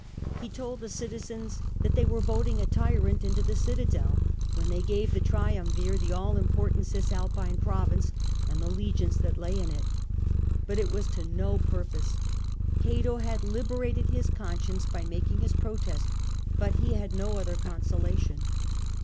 He told the citizens that " they were voting a tyrant into the citadel " when they gave the triumvir the all important Cisalpine province and the legions that lay in it. But it was to no purpose : Cato had liberated his conscience by making his protest, but he had no other consolation.